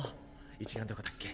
一眼どこだっけ？